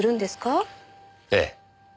ええ。